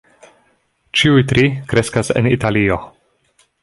Ĉiuj tri kreskas en Italio.